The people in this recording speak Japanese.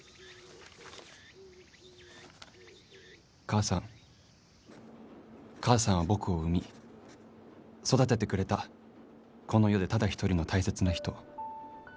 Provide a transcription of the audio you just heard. ・「母さん母さんは僕を生み育ててくれたこの世でただ一人の大切な人。